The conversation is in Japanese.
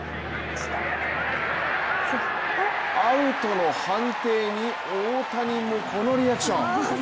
アウトの判定に、大谷もこのリアクション。